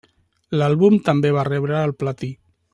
L'àlbum també va rebre el platí.